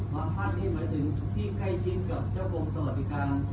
บางท่านคือไข้ทินกับเจ้าโรงสวัสดิกา